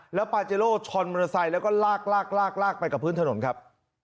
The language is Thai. แล้วปาเจโร่ชนมอเตอร์ไซค์แล้วก็ลากลากไปกับพื้นถนนครับ